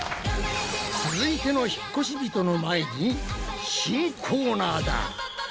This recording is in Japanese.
続いての引っ越し人の前に新コーナーだ！